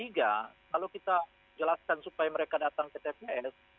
nah yang ketiga kalau kita jelaskan supaya mereka datang ke tps